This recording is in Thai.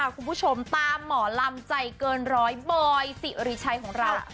คุณผู้ชมตามหมอลำใจเกินร้อยบอยสิริชัยของเรา